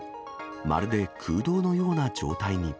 まるで空洞のような状態に。